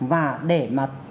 và để mà